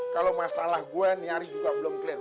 kalo masalah gua nyari juga belum clear